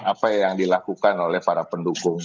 apa yang dilakukan oleh para pendukung